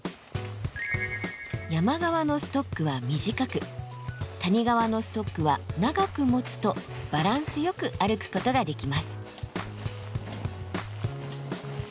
山側のストックは短く谷側のストックは長く持つとバランスよく歩くことができます。